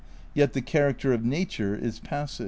'' Yet the character of nature is passage.